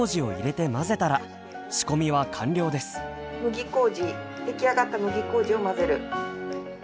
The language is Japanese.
麦麹出来上がった麦麹を混ぜる。